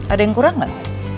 ada yang kurang gak